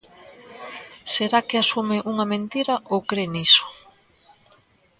Será que asume unha mentira ou cre niso?